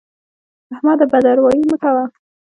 احمده! بد اروايي مه کوه.